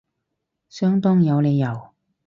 相當有道理